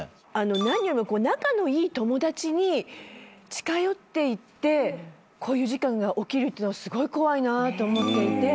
何よりも仲のいい友達に近寄っていってこういう事件が起きるっていうのがすごい怖いなって思っていて。